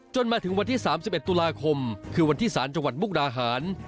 มาถึงวันที่๓๑ตุลาคมคือวันที่สารจังหวัดมุกดาหาร